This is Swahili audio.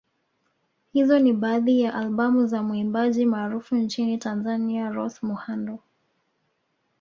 Hizo ni baadhi ya albamu za muimbaji maarufu nchini Tazania Rose Muhando